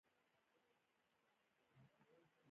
خلک پرې خبر نه شي.